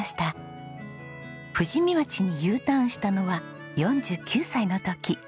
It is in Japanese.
富士見町にＵターンしたのは４９歳の時。